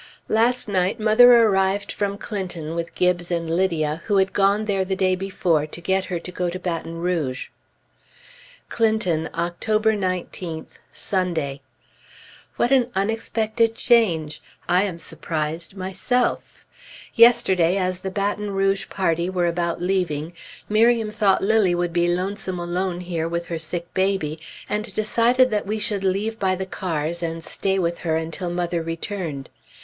Last night mother arrived from Clinton with Gibbes and Lydia, who had gone there the day before to get her to go to Baton Rouge. CLINTON, October 19th, Sunday. What an unexpected change! I am surprised myself! Yesterday as the Baton Rouge party were about leaving, Miriam thought Lilly would be lonesome alone here with her sick baby, and decided that we should leave by the cars, and stay with her until mother returned.